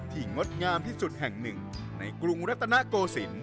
งดงามที่สุดแห่งหนึ่งในกรุงรัตนโกศิลป